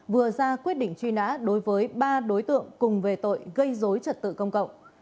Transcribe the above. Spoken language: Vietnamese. vừa ra quyết định truy nã đối với ba đối tượng cùng về tội gây dối trật tự công cộng